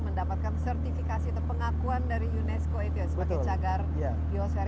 mendapatkan sertifikasi atau pengakuan dari unesco itu sebagai cagar biosfer